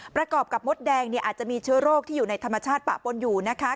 ประกอบกับมดแดงอาจจะมีเชื้อโรคที่อยู่ในธรรมชาติปะปนอยู่นะคะ